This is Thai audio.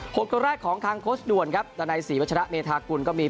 หกกระแรกของทางโค้ชด่วนครับแต่ในสี่วัชละเมธากุลก็มี